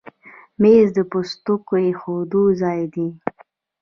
مېز د پوستکو ایښودو ځای دی.